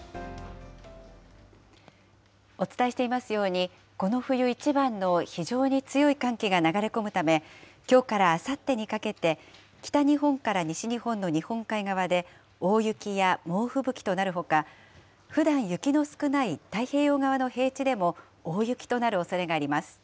お伝えしていますように、この冬一番の非常に強い寒気が流れ込むため、きょうからあさってにかけて、北日本から西日本の日本海側で大雪や猛吹雪となるほか、ふだん雪の少ない太平洋側の平地でも大雪となるおそれがあります。